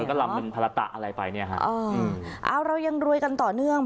ก็ลำเป็นภาระตะอะไรไปเนี่ยฮะอ๋อเอาเรายังรวยกันต่อเนื่อง